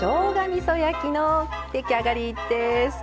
みそ焼きの出来上がりです。